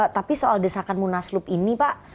tapi soal desakan munaslup ini pak